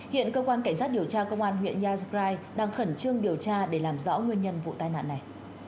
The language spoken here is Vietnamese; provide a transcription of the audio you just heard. hiện cơ quan cảnh sát điều tra công an huyện yagrai đang khẩn trương điều tra để làm rõ nguyên nhân vụ tai nạn này